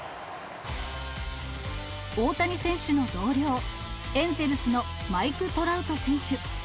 大谷選手の同僚、エンゼルスのマイク・トラウト選手。